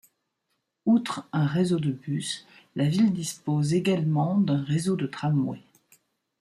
Outre un réseau de bus, la ville dispose également d'un réseau de tramways.